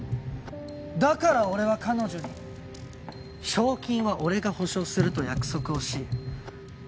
だから俺は彼女に「賞金は俺が保証する」と約束をし同盟を組んだんだ。